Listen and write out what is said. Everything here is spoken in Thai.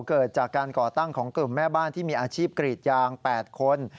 เกิดจากการก่อตั้งของกลุ่มแม่บ้านที่มีอาชีพกรีดยาง๘คน